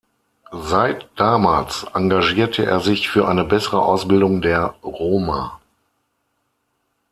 Seit damals engagierte er sich für eine bessere Ausbildung der Roma.